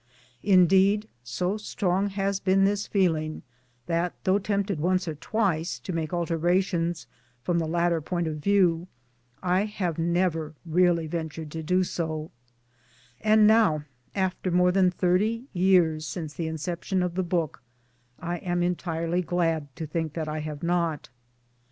Indeed, so strong has been this feeling that, though tempted once or twice to make alterations from the latter point of view, I have never really ventured to do so ; and now, after more than thirty years since the inception of the book, I am entirely glad to think that I have not.